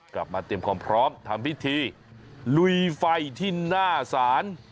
เตรียมความพร้อมทำพิธีลุยไฟที่หน้าศาล